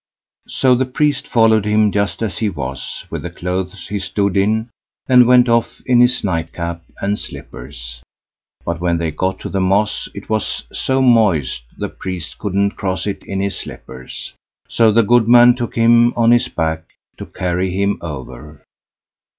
So the priest followed him just as he was, with the clothes he stood in, and went off in his nightcap and slippers. But when they got to the moss, it was so moist the priest couldn't cross it in his slippers. So the goodman took him on his back to carry him over.